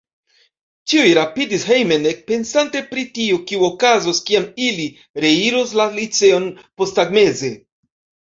Ĉiuj rapidis hejmen, ekpensante pri tio, kio okazos, kiam ili reiros la liceon posttagmeze.